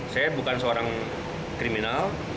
saya bukan seorang kriminal